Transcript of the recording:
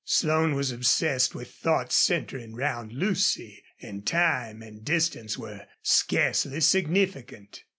Slone was obsessed with thoughts centering round Lucy, and time and distance were scarcely significant.